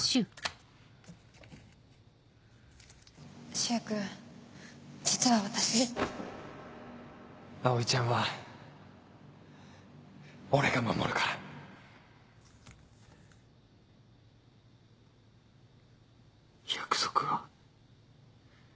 柊君実は私葵ちゃんは俺が守るから約束は。